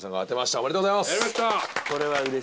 ありがとうございます。